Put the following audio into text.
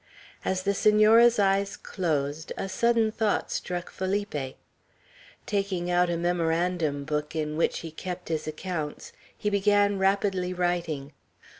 As the Senora's eyes closed, a sudden thought struck Felipe. Taking out a memorandum book in which he kept his accounts, he began rapidly writing.